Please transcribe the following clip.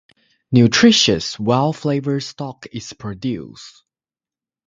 Nutritious, well flavored stock is produced.